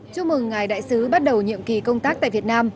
chúc mừng ngài đại sứ bắt đầu nhiệm kỳ công tác tại việt nam